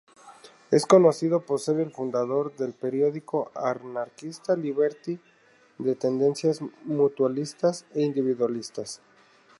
Es conocido por ser el fundador del periódico anarquista "Liberty", de tendencia mutualista-individualista.